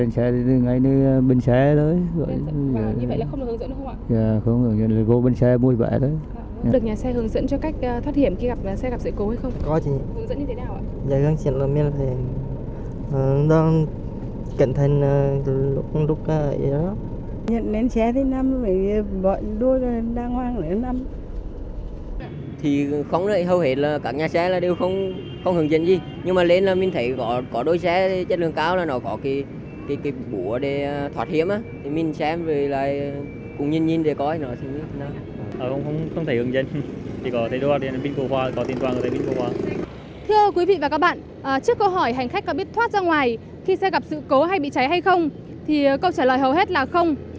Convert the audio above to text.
thưa quý vị và các bạn trước câu hỏi hành khách có biết thoát ra ngoài khi xe gặp sự cố hay bị cháy hay không thì câu trả lời hầu hết là không